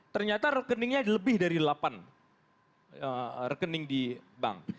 ternyata rekeningnya lebih dari delapan rekening di bank